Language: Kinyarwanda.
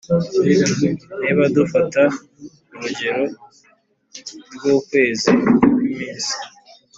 niba dufashe urugero rw’ukwezi kw’iminsi